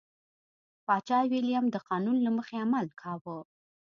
پاچا ویلیم د قانون له مخې عمل کاوه.